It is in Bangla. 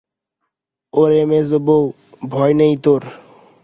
ওরে মেজোবউ, ভয় নেই তোর!